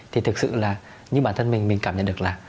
thì thực sự là như bản thân mình mình cảm nhận được là